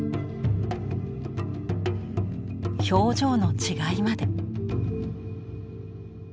表情の違いまで。